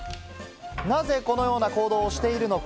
なぜ、このような行動をしているのか？